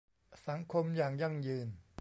สังคมอย่างยั่งยืน